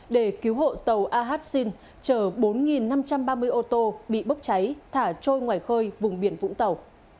để cứu hộ tàu ahxin chờ bốn năm trăm ba mươi ô tô bị bốc cháy thả trôi ngoài khơi vùng biển vũng tàu